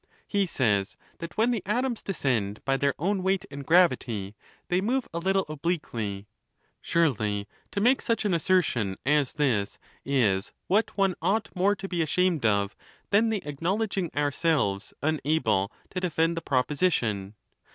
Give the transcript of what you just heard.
He says that when the atoms descend by their own weight and gravity, they move a little obliquely. Surely, \ to make such an assertion as this is what one ought more to be ashamed of than the acknowledging ourselves unable to defend the proposition.